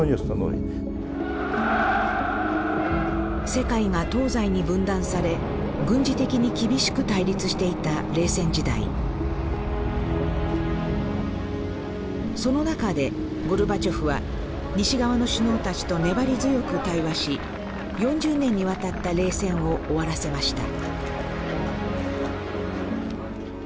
世界が東西に分断され軍事的に厳しく対立していた冷戦時代その中でゴルバチョフは西側の首脳たちと粘り強く対話し４０年にわたった冷戦を終わらせました